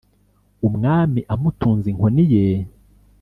umwami amutunze inkoni ye